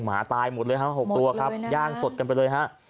หมาตายหมดเลยครับหกตัวครับหมดเลยนะครับย่างสดกันไปเลยฮะ